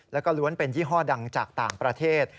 แล้วก็ล้วนเป็นยี่ห้อดังจากต่างประเทศ